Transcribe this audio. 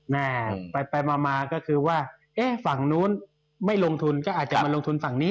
แม่ไปมาก็คือว่าเอ๊ะฝั่งนู้นไม่ลงทุนก็อาจจะมาลงทุนฝั่งนี้